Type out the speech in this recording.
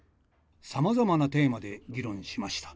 さまざまなテーマで議論しました。